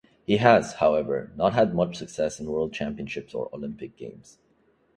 He has, however, not had much success in World Championships or Olympic Games.